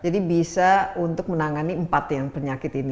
jadi bisa untuk menangani empat penyakit ini